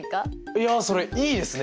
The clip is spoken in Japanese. いやそれいいですね！